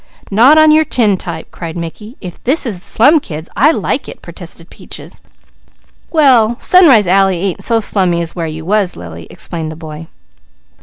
"Not on your tin type!" cried Mickey. "If this is slum kids, I like it!" protested Peaches. "Well, Sunrise Alley ain't so slummy as where you was, Lily," explained the boy.